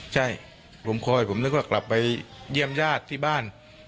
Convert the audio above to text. ใช่ผมคอยผมนึกว่ากลับไปเยี่ยมญาติที่บ้าน